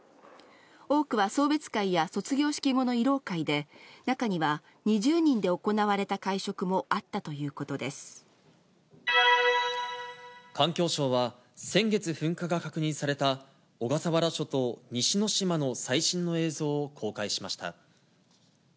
多くは送別会や卒業式後の慰労会で、中には２０人で行われた会食環境省は、先月噴火が確認された小笠原諸島西之島の最新の映像を公開しました。